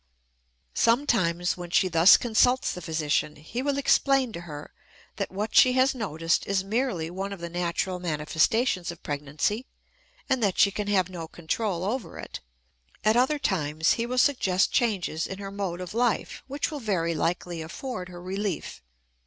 Sometimes, when she thus consults the physician, he will explain to her that what she has noticed is merely one of the natural manifestations of pregnancy and that she can have no control over it; at other times he will suggest changes in her mode of life which will very likely afford her relief.